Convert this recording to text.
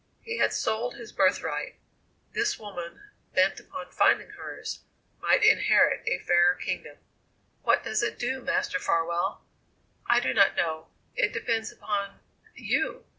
He had sold his birthright; this woman, bent upon finding hers, might inherit a fairer kingdom. "What does it do, Master Farwell?" "I do not know. It depends upon you.